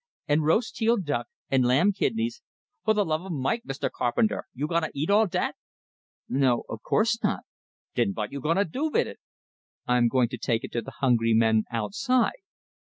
"And roast teal duck; and lamb kidneys " "Fer the love o' Mike, Mr. Carpenter, you gonna eat all dat?" "No; of course not." "Den vot you gonna do vit it?" "I'm going to take it to the hungry men outside."